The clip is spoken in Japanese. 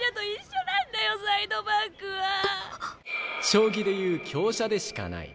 将棋で言う香車でしかない。